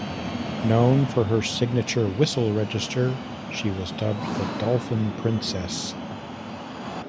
Known for her signature whistle register, she was dubbed the "Dolphin Princess".